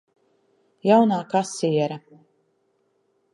Jaunā kasiere.